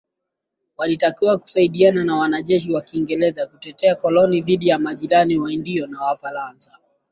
Walitakiwa kusaidiana na wanajeshi wa kiingereza kutetea koloni dhidi ya majirani Waindio na Wafaransa